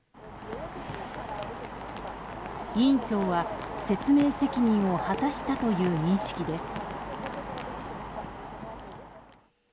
委員長は説明責任を果たしたという認識です。